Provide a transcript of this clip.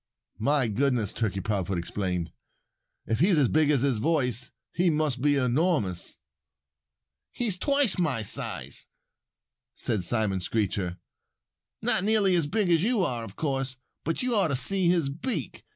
"My goodness!" Turkey Proudfoot exclaimed. "If he's as big as his voice he must be enormous." "He's twice my size," said Simon Screecher. "Not nearly as big as you are, of course! But you ought to see his beak.